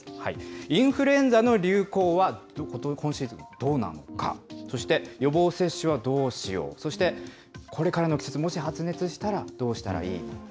インフルエンザの流行は、今シーズンどうなのか、そして予防接種はどうしよう、そして、これからの季節、もし発熱したらどうしたらいいのか。